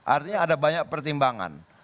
artinya ada banyak pertimbangan